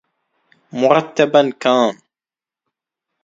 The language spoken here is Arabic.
مُرَتَّبًا كَانَ